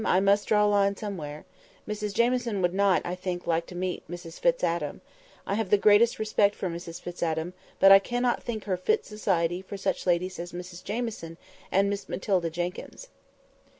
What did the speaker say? I must draw a line somewhere. Mrs Jamieson would not, I think, like to meet Mrs Fitz Adam. I have the greatest respect for Mrs Fitz Adam—but I cannot think her fit society for such ladies as Mrs Jamieson and Miss Matilda Jenkyns."